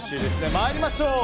参りましょう。